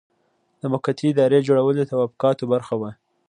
د موقتې ادارې جوړول د توافقاتو برخه وه.